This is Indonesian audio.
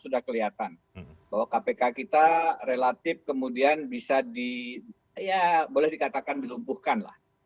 sudah kelihatan bahwa kpk kita relatif kemudian bisa di ya boleh dikatakan dilumpuhkan lah